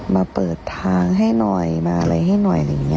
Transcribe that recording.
มาเปิดทางให้หน่อยมาอะไรให้หน่อยอะไรอย่างนี้